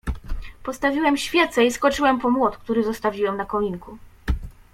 "Postawiłem świecę i skoczyłem po młot, który zostawiłem na kominku."